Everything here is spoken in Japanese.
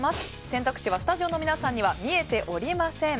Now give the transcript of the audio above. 選択肢はスタジオの皆さんには見えておりません。